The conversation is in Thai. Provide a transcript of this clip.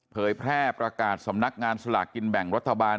เผยแพร่ประกาศสำนักงานสลากกินแบ่งรัฐบาล